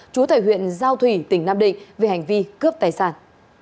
chúa thầy huyện giao thủy tỉnh nam định về hành vi cướp tài sản